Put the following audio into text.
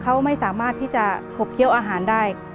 เขาไม่สามารถที่จะขบเคี้ยวอาหารได้